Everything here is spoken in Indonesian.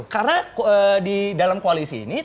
karena di dalam koalisi ini